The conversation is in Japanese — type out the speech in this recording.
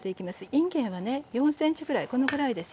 いんげんはね４ｃｍぐらいこのぐらいですよ。